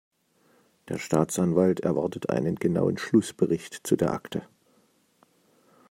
Der Staatsanwalt erwartet einen genauen Schlussbericht zu der Akte.